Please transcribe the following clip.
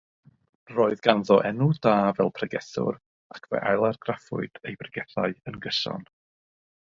Roedd ganddo enw da fel pregethwr, ac fe ailargraffwyd ei bregethau yn gyson.